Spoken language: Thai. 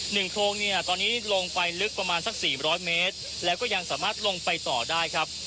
หนึ่งโพรงเนี่ยตอนนี้ลงไปลึกประมาณสักสี่ร้อยเมตรแล้วก็ยังสามารถลงไปต่อได้ครับ